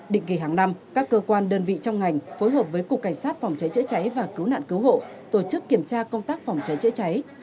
định kỳ hàng năm các cơ quan đơn vị trong ngành phối hợp với cục cảnh sát phòng cháy chữa cháy và cứu nạn cứu hộ tổ chức kiểm tra công tác phòng cháy chữa cháy